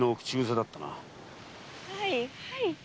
はいはい。